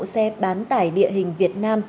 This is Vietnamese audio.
xe bán tải địa hình việt nam